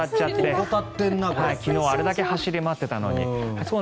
昨日あれだけ走り回っていたのに。